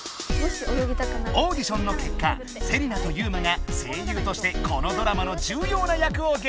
オーディションの結果セリナとユウマが声優としてこのドラマの重要な役をゲットした！